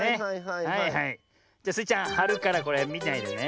じゃスイちゃんはるからこれみないでね。